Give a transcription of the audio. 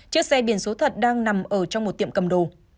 chiếc xe biển số thật đang nằm ở trong một tiệm cầm đồ